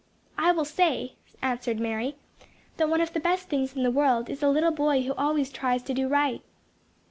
"I will say," answered Mary, "that one of the best things in the world is a little boy who always tries to do right."